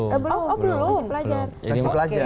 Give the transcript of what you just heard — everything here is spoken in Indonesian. oh belum masih pelajar